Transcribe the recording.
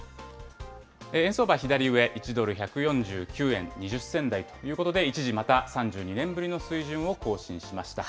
円相場、左上、１ドル１４９円２０銭台ということで、一時、また３２年ぶりの水準を更新しました。